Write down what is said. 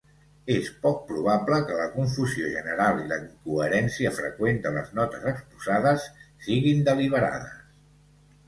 És poc probable que la confusió general i la incoherència freqüent de les notes exposades siguin deliberades.